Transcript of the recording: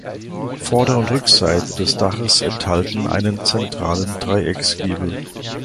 Vorder- und Rückseite des Daches enthalten einen zentralen Dreiecksgiebel.